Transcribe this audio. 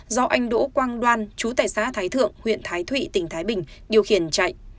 do anh đỗ quang đoan trú tại xã thái thượng huyện thái thụy tỉnh thái bình điều khiển chạy